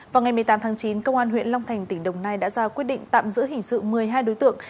vào ngày một mươi tám tháng chín công an huyện long thành tỉnh đồng nai đã ra quyết định tạm giữ hình sự một mươi hai đối tượng